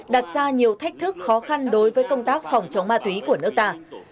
đặt ra nhiều thách thức khó khăn đối với công tác phòng chống ma túy của nước ta